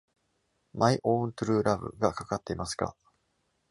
「My Own True Love」がかかっていますか